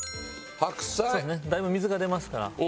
だいぶ水が出ますから。